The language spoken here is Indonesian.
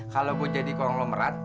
kalau gue jadi korong lo merat